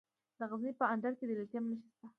د غزني په اندړ کې د لیتیم نښې شته.